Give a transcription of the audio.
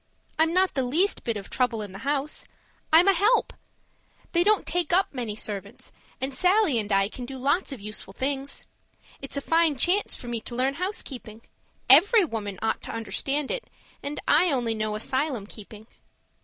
I'm not the least bit of trouble in the house. I'm a help. They don't take up many servants, and Sallie an I can do lots of useful things. It's a fine chance for me to learn housekeeping. Every woman ought to understand it, and I only know asylum keeping.